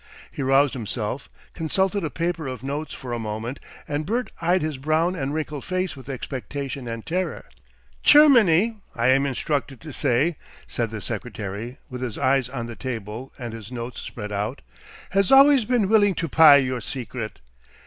He roused himself, consulted a paper of notes for a moment, and Bert eyed his brown and wrinkled face with expectation and terror. "Chermany, I am instructed to say," said the secretary, with his eyes on the table and his notes spread out, "has always been willing to puy your secret.